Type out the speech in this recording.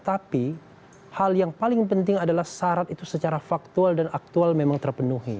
tapi hal yang paling penting adalah syarat itu secara faktual dan aktual memang terpenuhi